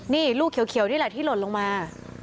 นี่ลูกเขียวนี่แหละที่หล่นลงมา